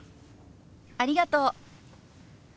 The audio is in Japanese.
ありがとう。